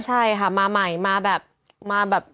ใช่ค่ะมาใหม่มาแบบ